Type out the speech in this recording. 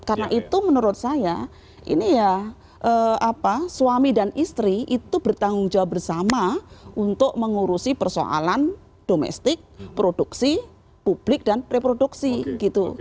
karena itu menurut saya ini ya suami dan istri itu bertanggung jawab bersama untuk mengurusi persoalan domestik produksi publik dan reproduksi gitu